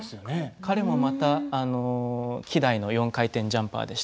彼も希代の４回転ジャンパーです。